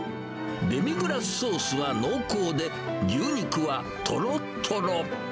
デミグラスソースは濃厚で、牛肉はとろとろ。